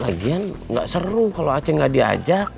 lagian nggak seru kalau aceh nggak diajak